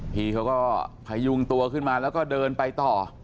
พี่เขาก็พยุงตัวขึ้นมาแล้วก็เดินไปต่อ